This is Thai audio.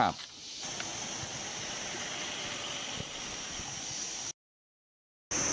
บอส